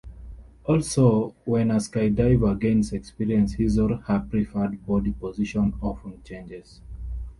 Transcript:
Also, when a skydiver gains experience, his or her preferred body position often changes.